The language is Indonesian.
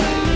ya itu dia